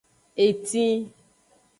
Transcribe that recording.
Etin.